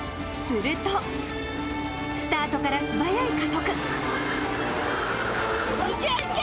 すると、スタートから素早い行け、行け。